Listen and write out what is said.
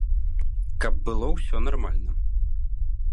Каб было ўсё нармальна.